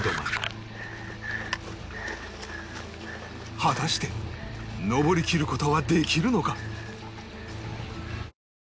果たして登りきる事はできるのか？